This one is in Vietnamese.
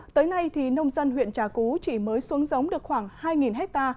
tới nay thì nông dân huyện trà cú chỉ mới xuống giống được khoảng hai ha